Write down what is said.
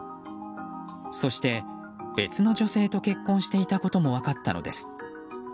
そして、別の女性と結婚していたことも分かったというのです。